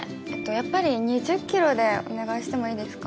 やっぱり２０キロでお願いしてもいいですか？